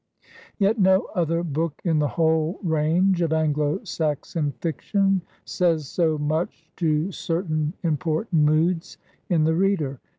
Yet no other book in the whole range of Anglo Saxon fiction says so much to certain important moods in the reader.